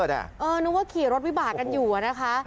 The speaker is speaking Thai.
นึกว่าขี่รถวิบากกันอยู่นะคะ